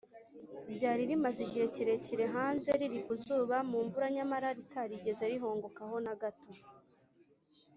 ryari rimaze igihe kirekire hanze, riri ku zuba, mu mvura, nyamara ritarigeze rihongoka na gato